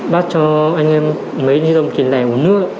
bác cho anh em mấy nhiên dòng tiền lẻ của nước